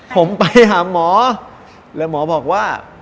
ผมไปหาหมอแล้วหมอบอกว่า